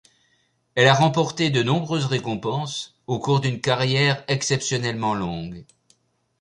Elle a remporté de nombreuses récompenses au cours d'une carrière exceptionnellement longue.